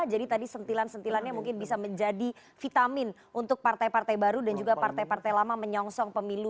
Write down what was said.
jadi tadi sentilan sentilannya mungkin bisa menjadi vitamin untuk partai partai baru dan juga partai partai lama menyebabkan kegagalan yang terjadi di negara ini